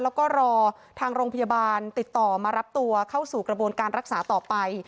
แล้วก็รอทางโรงพยาบาลติดต่อมารับตัวเข้าสู่กระบวนการรักษาต่อไป